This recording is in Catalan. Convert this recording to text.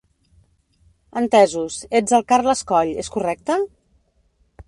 Entesos, ets el Carles Coll, és correcte?